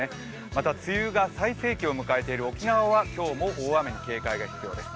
また、梅雨が最盛期を迎えている沖縄は今日も大雨に警戒が必要です。